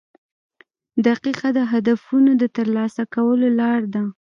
• دقیقه د هدفونو د ترلاسه کولو لار ده.